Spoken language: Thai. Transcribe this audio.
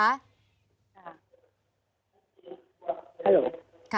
ใช่ค่ะ